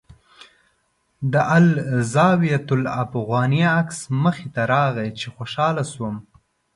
د الزاویة الافغانیه عکس مخې ته راغی چې خوشاله شوم.